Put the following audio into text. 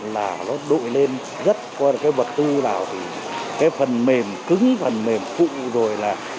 là nó đội lên rất coi là cái vật tư nào thì cái phần mềm cứng phần mềm cụ rồi là